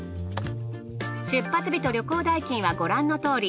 出発日と旅行代金はご覧のとおり。